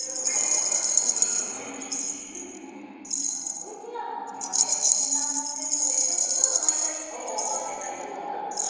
ＶＴＲの中でけん玉のテストでちょっと泣いたりして頑張ってた吉孝君。